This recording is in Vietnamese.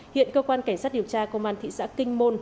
hiện cơ quan cảnh sát điều tra công an thị xã kinh môn